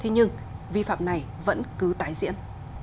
nhưng vi phạm này vẫn cứ tái diễn